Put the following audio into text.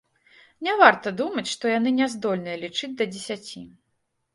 Не варта думаць, што яны не здольныя лічыць да дзесяці.